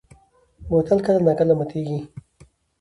بوتل کله نا کله ماتېږي.